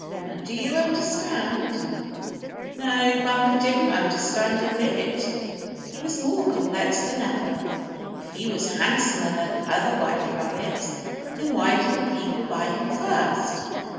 Now do you understand?" No, Bumper didn't understand a bit. He was more perplexed than ever. If he was handsomer than other white rabbits, then why didn't people buy him first?